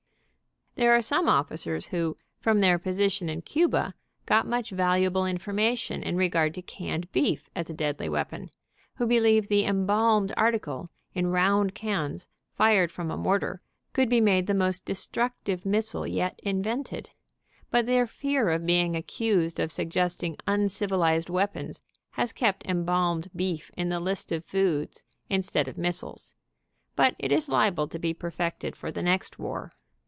There are some officers who, from their position in Cuba, got much valuable information in regard to canned beef as a deadly weapon, who believe the em balmed article, in round cans, fired from a mortar, could be made the most destructive missile yet in vented, but their fear of being accused of suggesting uncivilized weapons has kept embalmed beef in the list of foods instead of missiles, but it is liable to be perfected for the next war.